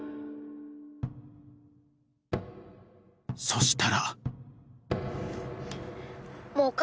「そしたら」